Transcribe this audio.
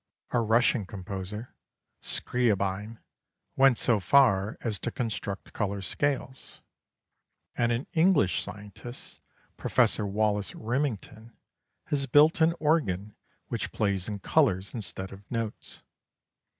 A Russian composer, Scriabine, went so far as to construct colour scales, and an English scientist, Professor Wallace Rimington, has built an organ which plays in colours, instead of notes.